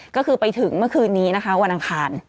ก็คือไปถึงเมื่อคืนนี้นะคะวันอังคาร